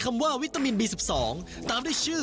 ส่วนภารกิจ